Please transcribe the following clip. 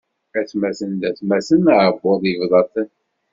Atmaten d atmaten, aɛebbuḍ ibḍa-ten.